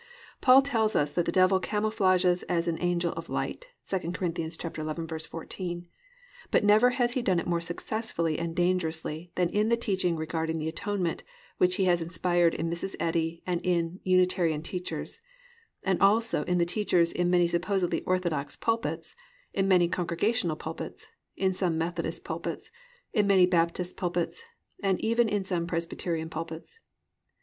Paul tells us that the Devil camouflages as an angel of light (II Cor. 11:14), but never has he done it more successfully and dangerously than in the teaching regarding the Atonement which he has inspired in Mrs. Eddy and in Unitarian teachers, and also in the teachers in many supposedly orthodox pulpits, in many Congregational pulpits, in some Methodist pulpits, in many Baptist pulpits, and even in some Presbyterian pulpits.